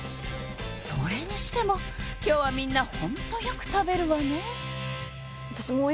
それにしても今日はみんなホントよく食べるわね